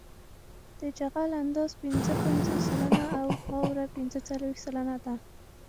د جغل اندازه پنځه پنځوس سلنه او خاوره پنځه څلویښت سلنه ده